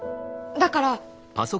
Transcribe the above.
だから。